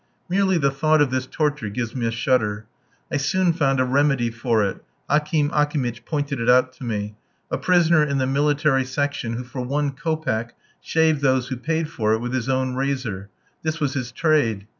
Merely the thought of this torture gives me a shudder. I soon found a remedy for it Akim Akimitch pointed it out to me a prisoner in the military section who for one kopeck shaved those who paid for it with his own razor. This was his trade.